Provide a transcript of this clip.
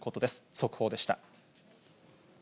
速報でした。